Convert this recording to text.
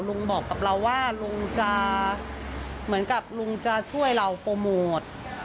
ลุงบอกกับเราว่าลุงจะเหมือนกับลุงจะช่วยเราโปรโมท